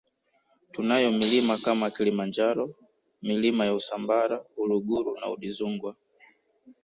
Tunayo milima kama Kilimanjaro Milima ya Usambara Uluguru na Udzungwa